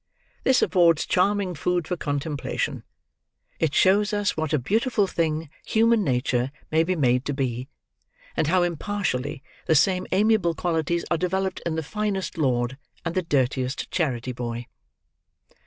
This affords charming food for contemplation. It shows us what a beautiful thing human nature may be made to be; and how impartially the same amiable qualities are developed in the finest lord and the dirtiest charity boy.